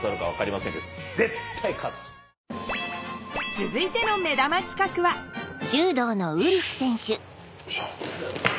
続いての目玉企画はよしよいしょ。